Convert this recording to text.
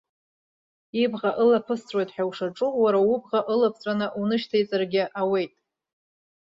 Ибӷа ылаԥысҵәоит ҳәа ушаҿу уара убӷа ылаԥҵәаны унышьҭеиҵаргьы ауеит.